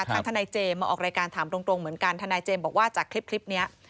ทางทนายเจมส์มาออกรายการถามตรงเหมือนกันทนายเจมส์บอกว่าจากคลิปนี้